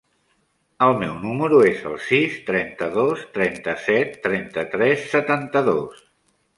El meu número es el sis, trenta-dos, trenta-set, trenta-tres, setanta-dos.